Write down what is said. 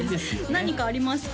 何かありますか？